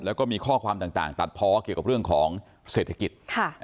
แล้วก็มีข้อความต่างตัดเพาะเกี่ยวกับเรื่องของเศรษฐกิจ